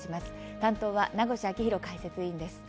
担当は名越章浩解説委員です。